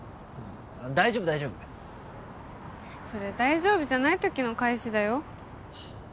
大丈夫大丈夫それ大丈夫じゃないときの返しだよ